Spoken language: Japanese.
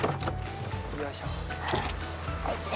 よいしょ。